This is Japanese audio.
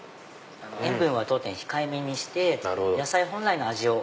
塩分は当店控えめにして野菜本来の味を。